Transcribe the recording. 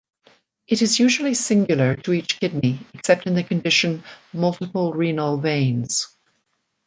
It is usually singular to each kidney, except in the condition "multiple renal veins".